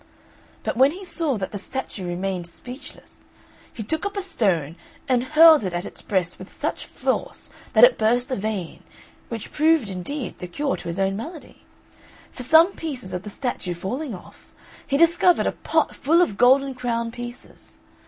But when he saw that the statue remained speechless, he took up a stone and hurled it at its breast with such force that it burst a vein, which proved, indeed, the cure to his own malady; for some pieces of the statue falling off, he discovered a pot full of golden crown pieces.